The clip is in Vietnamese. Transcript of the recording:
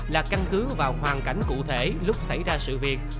là căn cứ vào hoàn cảnh cụ thể lúc xảy ra sự việc